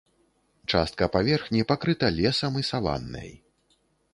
Частка паверхні пакрыта лесам і саваннай.